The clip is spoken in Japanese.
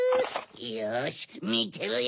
よしみてろよ。